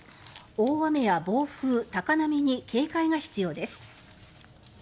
大雨や暴風、高波に警戒が必要です。